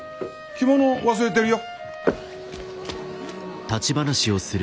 着物忘れてるよ。